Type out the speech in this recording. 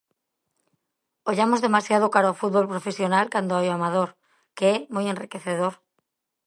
Ollamos demasiado cara ao fútbol profesional cando hai o amador, que é moi enriquecedor.